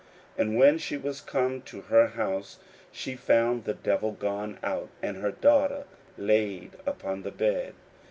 41:007:030 And when she was come to her house, she found the devil gone out, and her daughter laid upon the bed.